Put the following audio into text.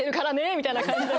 みたいな感じでもう。